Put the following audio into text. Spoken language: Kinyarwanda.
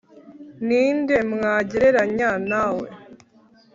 ni nde mwangereranya na we,